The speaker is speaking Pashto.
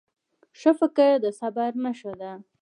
ښه فکر د صبر نښه ده.